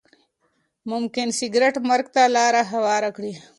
ممکن سګریټ مرګ ته لاره هواره کړي.